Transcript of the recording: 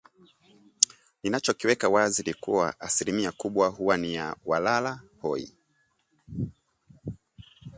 Ninachokiweka wazi ni kuwa, asilimia kubwa huwa ni ya walala hoi